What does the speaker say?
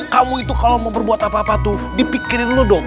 kamu itu kalau mau berbuat apa apa tuh dipikirin lu dong